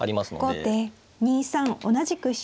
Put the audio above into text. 後手２三同じく飛車。